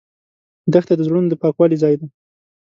دښته د زړونو د پاکوالي ځای ده.